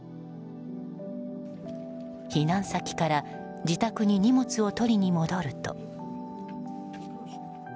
避難先から自宅に荷物を取りに戻ると。